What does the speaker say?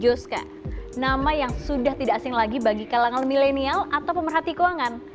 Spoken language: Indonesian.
juska nama yang sudah tidak asing lagi bagi kalangan milenial atau pemerhati keuangan